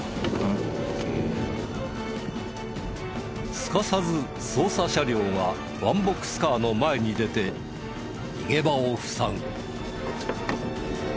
すかさず捜査車両がワンボックスカーの前に出て逃げ場を塞ぐ。